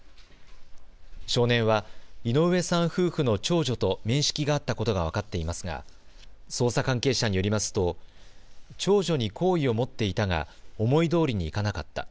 少年は井上さん夫婦の長女と面識があったことが分かっていますが捜査関係者によりますと長女に好意を持っていたが思いどおりにいかなかった。